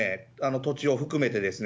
土地を含めてですね。